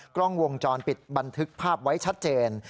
กล้องวงจรปิดบันทึกภาพไว้ชัดเจน